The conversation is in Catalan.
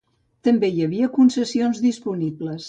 També hi havia concessions disponibles.